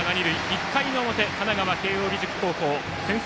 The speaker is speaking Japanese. １回の表、神奈川・慶応義塾高校先制